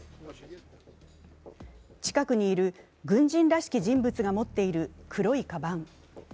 近くにいる軍人らしき人物が持っている黒いかばん。